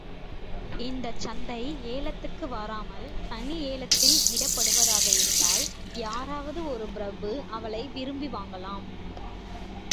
இந்தச் சந்தை ஏலத்துக்கு வராமல் தனி ஏலத்தில் விடப்படுவதாக இருந்தால் யாராவது ஒரு பிரபு அவளை விரும்பி வாங்கலாம்.